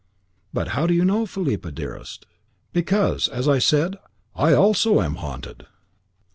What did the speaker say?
"But how do you know, Philippa, dearest?" "Because, as I said, I also am haunted."